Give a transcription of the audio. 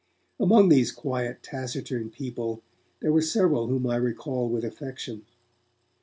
Among these quiet, taciturn people, there were several whom I recall with affection.